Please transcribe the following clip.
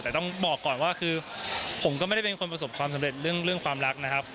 แต่ต้องบอกก่อนว่าคือผมก็ไม่ได้เป็นคนประสบความสำเร็จเรื่องความรักนะครับ